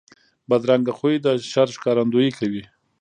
بدرنګه خوی د شر ښکارندویي کوي